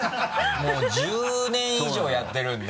もう１０年以上やってるんで。